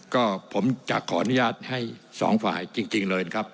ก็ผมจะขออนุญาตให้สองฝ่ายจริงเลยนะครับ